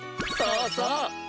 そうそう！